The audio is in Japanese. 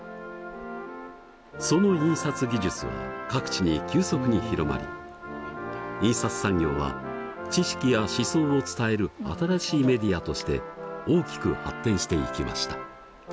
その印刷技術は各地に急速に広まり印刷産業は知識や思想を伝える新しいメディアとして大きく発展していきました。